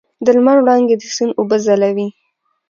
د لمر وړانګې د سیند اوبه ځلوي.